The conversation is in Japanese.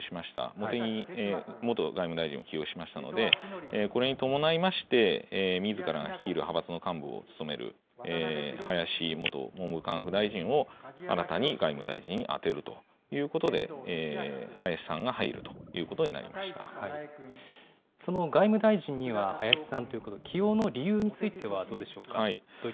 茂木元外務大臣を起用しましたので、これに伴いまして、みずからが率いる派閥の幹部を務める林元文部科学大臣を新たに外務大臣に充てるということで、林さんが入るということになりましその外務大臣には林さんということで、起用の理由についてはどうでしょうか。